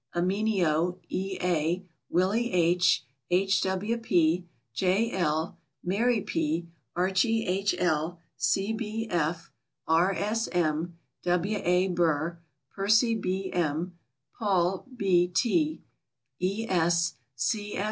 Amenio E. A., Willy H., H. W. P., J. L., Mary P., Archie H. L., C. B. F., R. S. M., W. A. Burr, Percy B. M., Paul. B. T., E.